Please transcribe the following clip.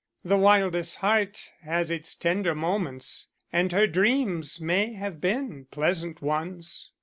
The wildest heart has its tender moments, and her dreams may have been pleasant ones."